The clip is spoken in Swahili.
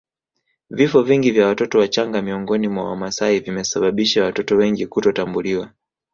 Vifo vingi vya watoto wachanga miongoni mwa Wamasai vimesababisha watoto wengi kutotambuliwa